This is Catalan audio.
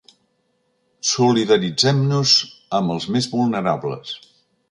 Solidaritzem-nos amb els més vulnerables.